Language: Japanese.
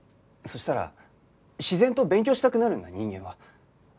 そしたら自然と勉強したくなるんだ人間は。